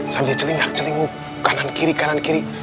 sambil celing celing kanan kiri kanan kiri